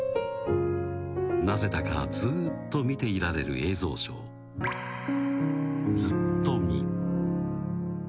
なぜだかずーっと見ていられる映像ショー、ずっとみ。